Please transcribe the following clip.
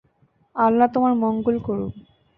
আল্লাহ তোমার মঙ্গল করুক।